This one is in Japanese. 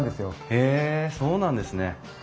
へえそうなんですね。